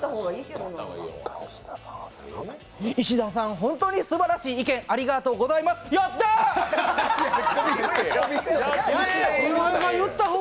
石田さん、ホントにすばらしい意見ありがとうございます、ヤッター！